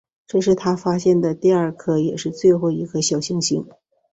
这是他发现的第二颗也是最后一颗小行星。